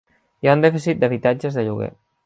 Hi ha un dèficit d'habitatges de lloguer.